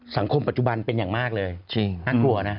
สังคมปัจจุบันเป็นอย่างมากเลยน่ากลัวนะ